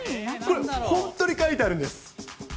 本当に書いてあるんです。